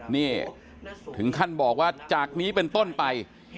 นี่ถึงขั้นบอกว่าจากนี้เป็นต้นไป